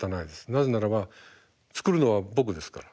なぜならば作るのは僕ですから。